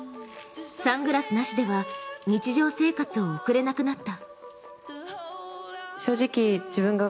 サングラスなしでは日常生活を送れなくなった。